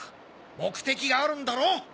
目的があるんだろ？